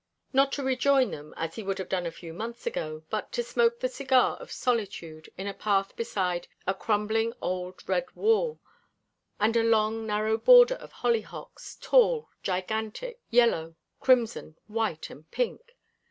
Not to rejoin them, as he would have done a few months ago, but to smoke the cigar of solitude in a path beside a crumbling, old red wall, and a long, narrow border of hollyhocks, tall, gigantic, yellow, crimson, white, and pink.